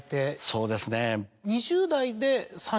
そうですね。